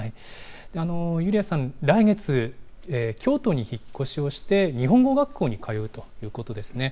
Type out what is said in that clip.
ユリヤさん、来月、京都に引っ越しをして、日本語学校に通うということですね。